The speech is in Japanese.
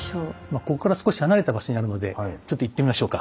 ここから少し離れた場所にあるのでちょっと行ってみましょうか。